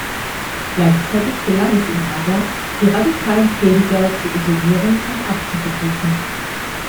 Gleichzeitig gelang es ihm aber, die radikalen Prediger zu isolieren und abzuberufen.